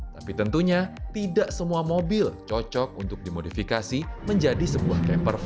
tapi tentunya tidak semua mobil cocok untuk dimodifikasi menjadi sebuah kemper fes